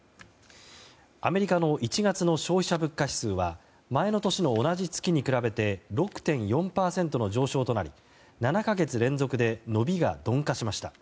アメリカの１月の消費者物価指数は前の年の同じ月に比べて６．４％の上昇となり７か月連続で伸びが鈍化しました。